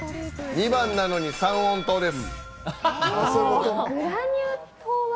２番なのに三温糖です。